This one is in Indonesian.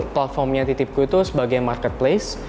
platformnya titipku itu sebagai marketplace